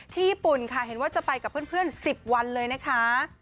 ญี่ปุ่นค่ะเห็นว่าจะไปกับเพื่อน๑๐วันเลยนะคะ